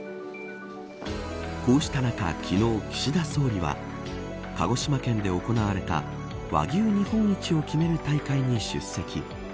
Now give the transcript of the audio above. こうした中、昨日岸田総理は鹿児島県で行われた和牛日本一を決める大会に出席。